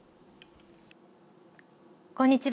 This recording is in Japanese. こんにちは。